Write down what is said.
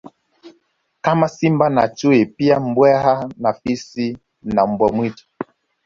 Kama simba na chui pia mbweha na fisi na mbwa mwitu